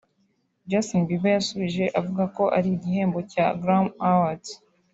Justin Bieber yasubije avuga ko ari igihembo cya Grammy Award